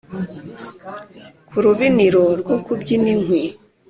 ku rubiniro rwo kubyina inkwi,